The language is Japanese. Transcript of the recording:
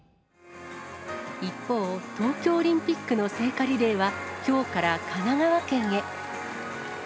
一方、東京オリンピックの聖火リレーは、きょうから神奈川県へ。